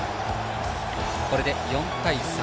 これで４対３。